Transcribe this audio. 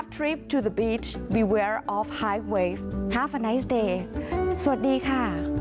สวัสดีค่ะ